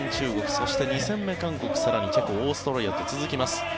そして２戦目、韓国更にチェコ、オーストラリアと続きます。